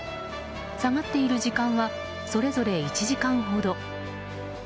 下がっている時間はそれぞれ１時間ほど。